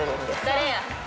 誰や？